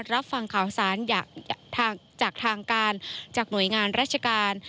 รับฟังข่าวสารจากทางการจากหน่วยงานราชการ